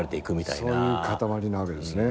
そういう塊なわけですね。